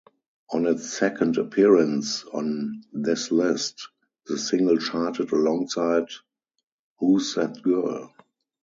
On its second appearance on this list, the single charted alongside Who's That Girl?